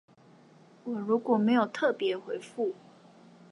我如果沒有特別回覆